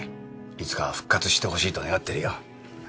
いつか復活してほしいと願ってるよ。